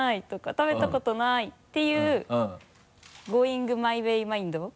「食べたことない」っていうゴーイング・マイウエーマインド。